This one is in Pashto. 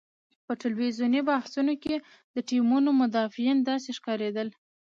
په ټلویزیوني بحثونو کې د ټیمونو مدافعین داسې ښکارېدل.